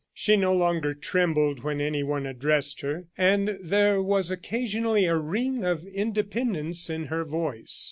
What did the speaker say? She no longer trembled when anyone addressed her, and there was occasionally a ring of independence in her voice.